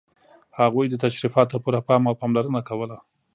هغوی دې تشریفاتو ته پوره پام او پاملرنه کوله.